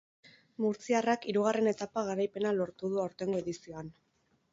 Murtziarrak hirugarren etapa garaipena lortu du aurtengo edizioan.